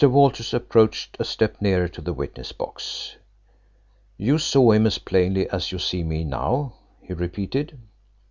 Walters approached a step nearer to the witness box. "You saw him as plainly as you see me now?" he repeated.